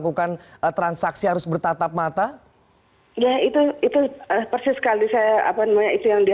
bahkan di informasi yang saya sampaikan sebelumnya juga bahkan di informasi yang saya sampaikan sebelumnya